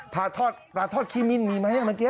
ปลาทอดขี้มิ้นมีไหมเมื่อกี้